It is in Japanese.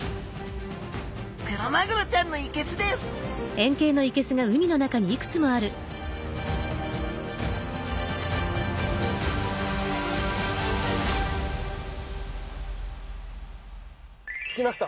クロマグロちゃんのいけすです着きました。